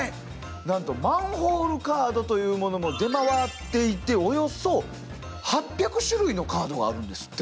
なんとマンホールカードというものも出回っていておよそ８００種類のカードがあるんですって。